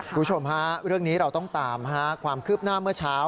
คุณผู้ชมฮะเรื่องนี้เราต้องตามความคืบหน้าเมื่อเช้า